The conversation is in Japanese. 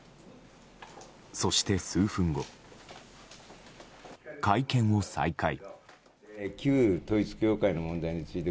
そして数分後、会見を再開。